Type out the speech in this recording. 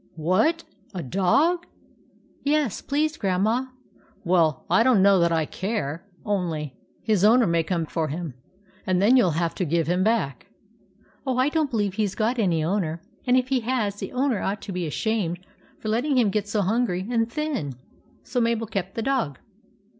" What, a dog ?"" Yes, please, Grandma." "Well, I don't know that I care. Only his owner may come for him, and then you '11 have to give him back." " Oh, I don't believe he 's got any owner ; and if he has, the owner ought to be ashamed for letting him get so hungry and thin." 46 THE ADVENTURES OF MABEL So Mabel kept the dog.